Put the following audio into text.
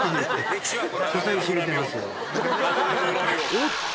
おっと！